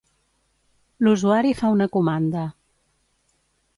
L'usuari fa una comanda.